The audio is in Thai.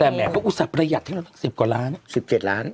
แต่แม้เขาอุตส่าห์ประหยัดเท่านั้นสิบกว่าล้านสิบเจ็ดล้าน